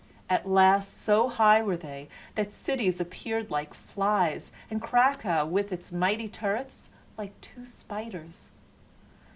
At last so high were they that cities appeared like flies and Krakau with its mighty turrets like two spiders.